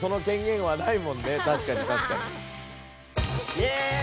イェーイ！